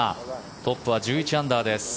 トップは１１アンダーです。